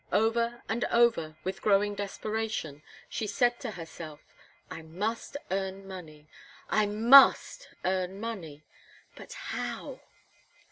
Over and over, with growing desperation, she said to herself: "I must earn money, I must earn money, but how?"